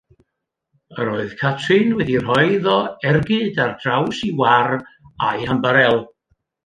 Yr oedd Catrin wedi rhoi iddo ergyd ar draws ei war â'i hymbarél.